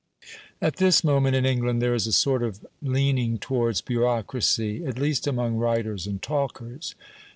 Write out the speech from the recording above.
At this moment, in England, there is a sort of leaning towards bureaucracy at least, among writers and talkers.